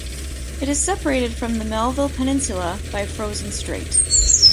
It is separated from the Melville Peninsula by Frozen Strait.